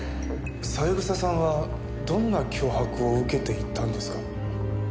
三枝さんはどんな脅迫を受けていたんですか？